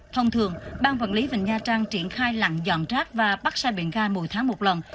thông thường bang quản lý vịnh nha trang triển khai lặn dọn rác và bắt xa biển gai mỗi tháng một lần